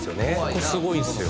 これがすごいですよね。